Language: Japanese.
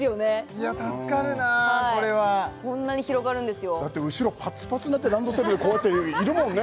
いや助かるなこれはこんなに広がるんですよだって後ろパツパツになってランドセルでこうやっているもんね